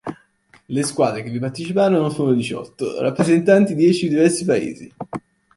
Le squadre che vi parteciparono furono diciotto, rappresentanti dieci diversi paesi.